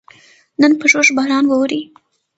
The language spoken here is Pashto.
نن په ژوژ باران ووري